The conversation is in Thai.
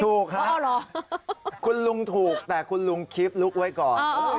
ถูกครับคุณลุงถูกแต่คุณลุงคลิปลุกไว้ก่อน